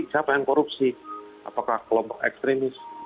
siapa yang korupsi apakah kelompok ekstremis